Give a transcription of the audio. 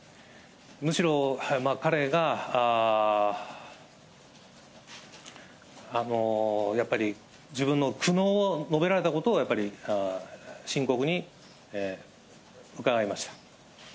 むしろ、彼がやっぱり自分の苦悩を述べられたことをやっぱり深刻に伺いました。